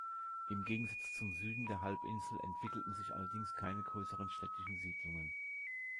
Im Gegensatz zum Süden der Halbinsel entwickelten sich allerdings keine größeren städtischen Siedlungen.